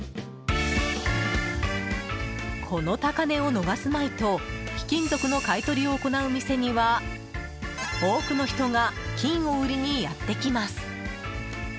この高値を逃すまいと貴金属の買い取りを行う店には多くの人が金を売りにやってきます。